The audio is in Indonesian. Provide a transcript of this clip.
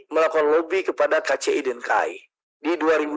melakukan lobby kepada kci dan kai di dua ribu dua puluh satu